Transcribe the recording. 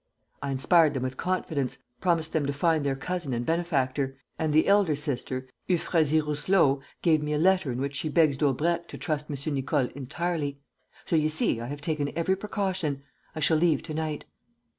I inspired them with confidence, promised them to find their cousin and benefactor; and the elder sister, Euphrasie Rousselot, gave me a letter in which she begs Daubrecq to trust M. Nicole entirely. So you see, I have taken every precaution. I shall leave to night."